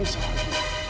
ini salah gue